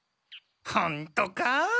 ほんとか？